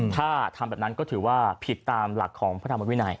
ถ้าทำแบบนั้นก็ถือว่าผิดตามหลักของพระธรรมวินัย